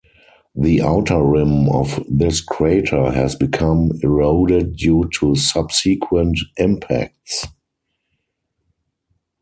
The outer rim of this crater has become eroded due to subsequent impacts.